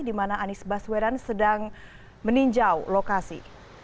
di mana anies baswedan sedang meninjau lokasi